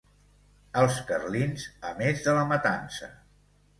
Els carlins, a més de la matança.